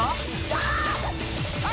あっ！